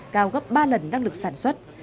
cao gấp ba lần năng lực sản xuất